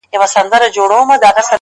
څه عجيبه جوارگر دي اموخته کړم ـ